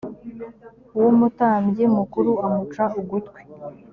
w umutambyi mukuru amuca ugutwi